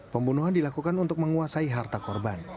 pembunuhan dilakukan untuk menguasai harta korban